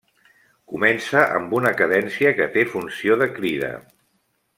Comença amb una cadència que té funció de crida.